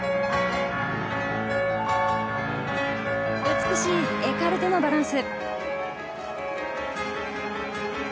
美しいエカルテのバランス。